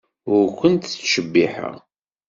Ur ken-ttcebbiḥeɣ.